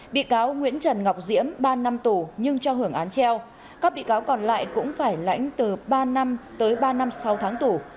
bị cáo nguyễn trần ngọc diễm ba năm tù nhưng cho hưởng án treo các bị cáo còn lại cũng phải lãnh từ ba năm tới ba năm sau tháng tù